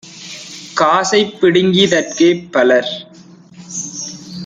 காசைப் பிடுங்கிடு தற்கே - பலர்